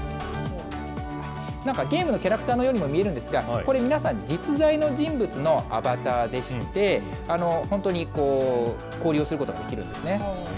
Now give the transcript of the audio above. なんかゲームのキャラクターのようにも見えるんですが、これ、皆さん、実在の人物のアバターでして、本当に交流することができるんですね。